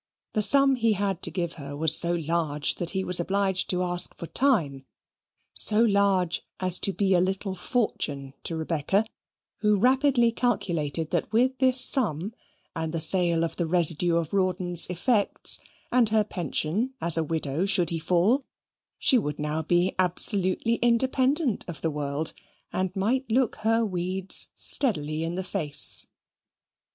The sum he had to give her was so large that he was obliged to ask for time; so large as to be a little fortune to Rebecca, who rapidly calculated that with this sum, and the sale of the residue of Rawdon's effects, and her pension as a widow should he fall, she would now be absolutely independent of the world, and might look her weeds steadily in the face.